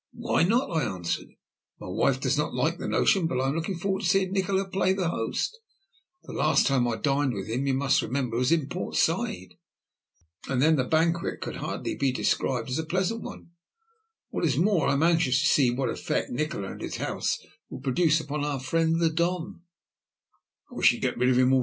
"Why not?" I answered. "My wife does not like the notion, but I am looking forward to seeing Nikola play the host. The last time I dined with him, you must remember, was in Port Said, and then the banquet could scarcely be described as a pleasant one. What is more, I am anxious to see what effect Nikola and his house will produce upon our friend the Don."